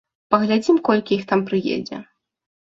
Паглядзім колькі іх там прыедзе.